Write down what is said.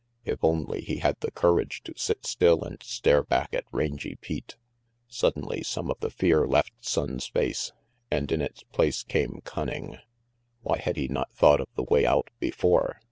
If only he had the courage to sit still and stare back at Rangy Pete. Suddenly some of the fear left Sonnes' face, and in its place came cunning. Why had he not thought of the way out before?